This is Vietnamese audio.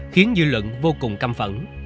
khiến dư luận vô cùng căm phẫn